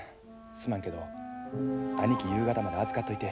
すまんけど兄貴夕方まで預かっといて。